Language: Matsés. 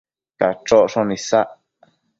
Cachocshon isac